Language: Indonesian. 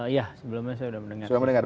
ya sebelumnya saya sudah mendengar